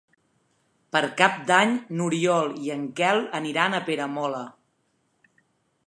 Per Cap d'Any n'Oriol i en Quel aniran a Peramola.